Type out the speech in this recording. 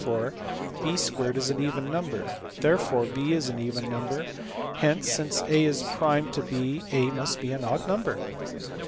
47) b 2 = 2a 2 ; therefore b 2 is an even number; therefore b is an even number; hence, since a is prime to 6, a must be an odd number.